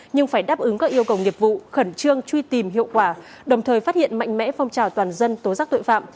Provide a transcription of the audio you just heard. nhưng phải đáp ứng các yêu cầu nghiệp vụ khẩn trương truy tìm hiệu quả đồng thời phát hiện mạnh mẽ phong trào toàn dân tố giác tội phạm